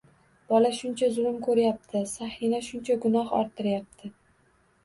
Bola shuncha zulm ko'ryapti, Saniha shuncha gunoh orttiryapti.